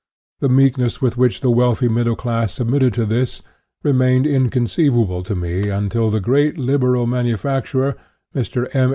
The meekness with which the wealthy middle class submitted to this, remained inconceivable to me until the great Liberal manufacturer, Mr. W.